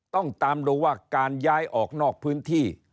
ต้องตามดูว่าการย้ายออกนอกพื้นที่